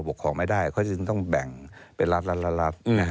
ปกครองไม่ได้เขาจึงต้องแบ่งเป็นรัฐรัฐรัฐ